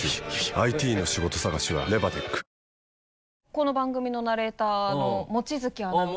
この番組のナレーターの望月アナウンサー。